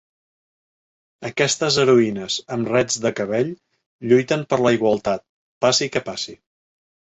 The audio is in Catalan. Aquestes heroïnes amb rets de cabell lluiten per la igualtat, passi què passi.